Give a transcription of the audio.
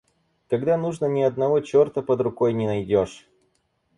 Когда нужно ни одного чёрта под рукой не найдешь.